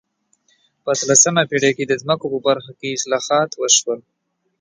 په اتلسمه پېړۍ کې د ځمکو په برخه کې اصلاحات وشول.